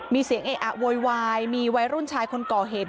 มีเสียงเออะโวยวายมีวัยรุ่นชายคนก่อเหตุ